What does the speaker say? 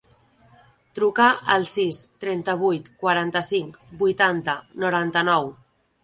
Truca al sis, trenta-vuit, quaranta-cinc, vuitanta, noranta-nou.